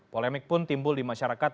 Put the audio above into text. polemik pun timbul di masyarakat